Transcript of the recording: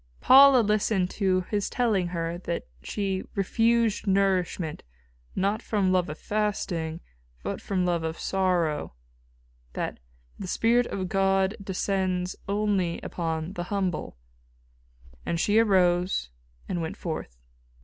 Paula listened to his telling her that she "refused nourishment not from love of fasting, but from love of sorrow"; that "the spirit of God descends only upon the humble," and she arose and went forth.